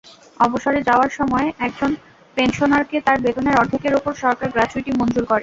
অবসরে যাওয়ার সময় একজন পেনশনারকে তাঁর বেতনের অর্ধেকের ওপর সরকার গ্র্যাচুইটি মঞ্জুর করে।